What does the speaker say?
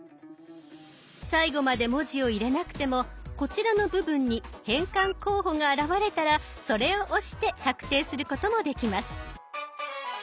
最後まで文字を入れなくてもこちらの部分に変換候補が現れたらそれを押して確定することもできます。